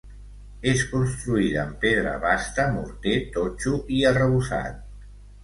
És construïda amb pedra basta, morter, totxo i arrebossat.